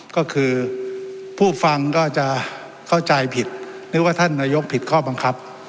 ก็คือผู้ฟังก็จะเข้าใจผิดนึกว่าท่านนายกผิดข้อบังคับ